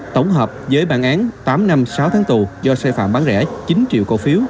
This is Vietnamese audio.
tổng hợp với bản án tám năm sáu tháng tù do sai phạm bán rẻ chín triệu cổ phiếu